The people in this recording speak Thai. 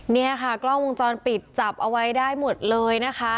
เนี่ยค่ะกล้องวงจรปิดจับเอาไว้ได้หมดเลยนะคะ